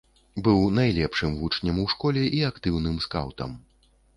Быў найлепшым вучнем у школе і актыўным скаўтам.